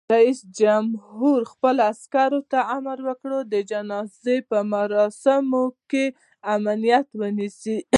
رئیس جمهور خپلو عسکرو ته امر وکړ؛ د جنازو په مراسمو کې امنیت ونیسئ!